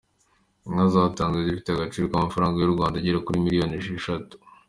Inka zatanzwe zifite agaciro k’amafaranga y’u Rwanda agera kuri miliyoni esheshatu.